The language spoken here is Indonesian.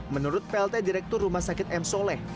menurut plt direktur rumah sakit m soleh